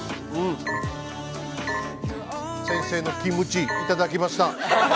先生のキムチ、いただきました。